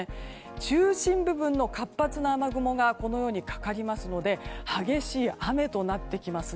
中心部分に活発な雨雲がかかりますので激しい雨となってきます。